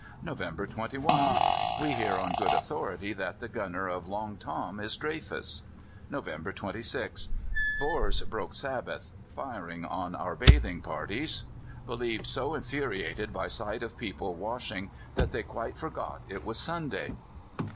] "November 21. We hear on good authority that the gunner of Long Tom is Dreyfus. "November 26. Boers broke Sabbath firing on our bathing parties. Believed so infuriated by sight of people washing that they quite forgot it was Sunday."